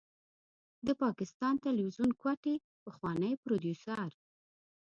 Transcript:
د پاکستان تلويزيون کوټې پخوانی پروديوسر